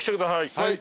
はい！